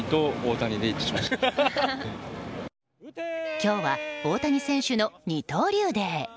今日は、大谷選手の二刀流デー。